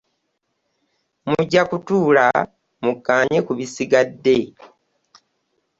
Mujja kutuula mukkaanye ku bisigadde.